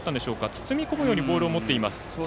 包み込むようにボールを持っています。